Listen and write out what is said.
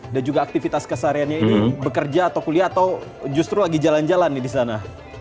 dan juga aktivitas kesahariannya ini bekerja atau kuliah atau justru lagi jalan jalan nih di sana